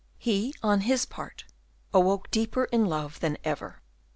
He, on his part, awoke deeper in love than ever.